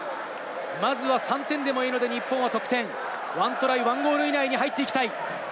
まずは３点でもいいので日本は得点、１トライ１ゴール以内に入っていきたい。